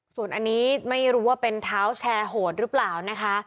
ส่วนอันนี้ไม่รู้ว่าเป็นเท้าแชร์โหดหรือเปล่านะคะ